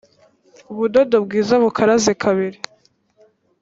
ubudodo bwiza bukaraze kabiri